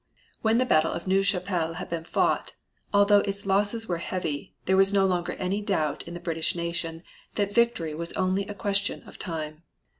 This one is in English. When the battle of Neuve Chapelle had been fought, although its losses were heavy, there was no longer any doubt in the British nation that victory was only a question of time.